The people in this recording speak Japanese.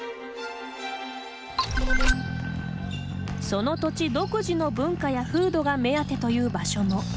その土地独自の文化や風土が目当てという場所も。